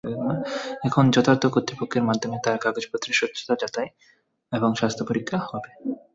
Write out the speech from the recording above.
এখন যথাযথ কর্তৃপক্ষের মাধ্যমে তার কাগজপত্রের সত্যতা যাচাই এবং স্বাস্থ্য পরীক্ষা হবে।